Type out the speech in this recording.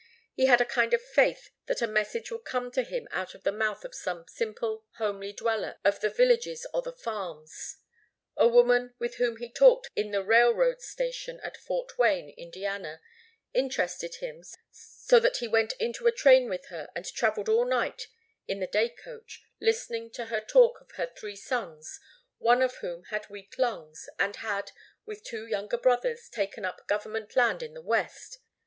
He had a kind of faith that a message would come to him out of the mouth of some simple, homely dweller of the villages or the farms. A woman, with whom he talked in the railroad station at Fort Wayne, Indiana, interested him so that he went into a train with her and travelled all night in the day coach, listening to her talk of her three sons, one of whom had weak lungs and had, with two younger brothers, taken up government land in the west.